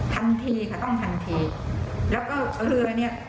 ทันทีค่ะต้องทันทีแล้วก็เรือเนี้ย